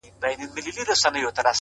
زمـــا د رسـوايـــۍ كــيســه؛